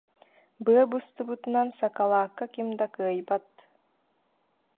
Быа быстыбытынан сакалаакка ким да кыайбат